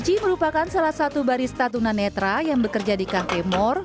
cici merupakan salah satu barista tuna netra yang bekerja di cafe mor